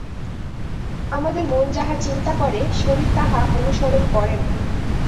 আমাদের মন যাহা চিন্তা করে, শরীর তাহা অনুসরণ করে না।